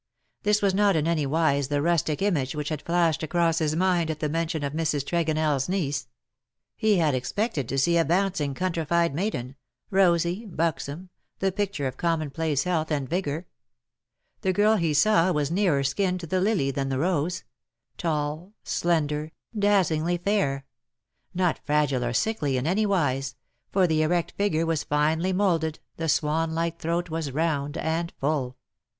This was not in any wise the rustic image which had flashed across his mind at the mention of Mrs. TregonelFs niece. He had ex pected to see a bouncing, countryfied maiden — rosy, buxom, the picture of commonplace health THE LOVELACE OF HIS DAY. 49 and vigour. The girl he saw was nearer akin to the lily than the rose — tall, slender, dazzlingly fair — not fragile or sickly in anywise — for the erect figure was finely moulded, the swan like throat was round and full.